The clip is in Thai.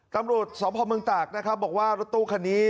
ตำรวจสมภพเมืองตากบอกว่ารถตู้คันนี้